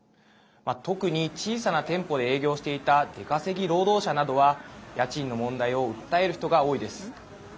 特に小さな店舗で営業していた出稼ぎ労働者などは家賃の問題を訴える人が多いです。